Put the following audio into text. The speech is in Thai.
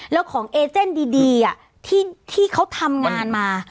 แล้วของเอเจนดีที่เขาทำงานมา